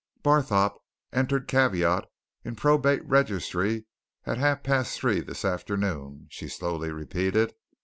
"'Barthorpe entered caveat in Probate Registry at half past three this afternoon,'" she slowly repeated.